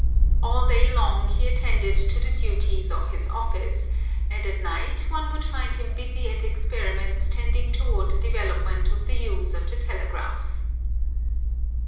All day long he attended to the duties of his office, and at night one would find him busy at experiments tending toward the development of the use of the telegraph.